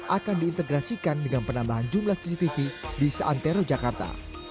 akan diintegrasikan dengan penambahan jumlah cctv di santero jakarta